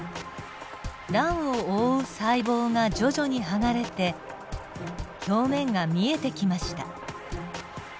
卵を覆う細胞が徐々に剥がれて表面が見えてきました。